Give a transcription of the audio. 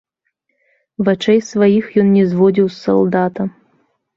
Вачэй сваіх ён не зводзіў з салдата.